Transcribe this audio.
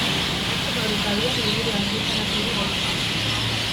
Atzo, gaur eta bihar liburua argitaratu du aurten.